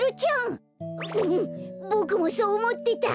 うんボクもそうおもってた！